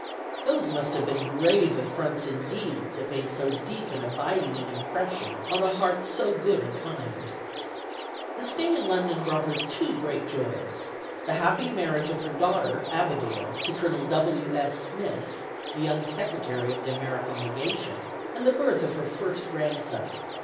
Those must have been grave affronts indeed that made so deep and abiding an impression on a heart so good and kind. The stay in London brought her two great joys: the happy marriage of her daughter Abigail to Colonel W. S. Smith, the young secretary of the American Legation, and the birth of her first grandson.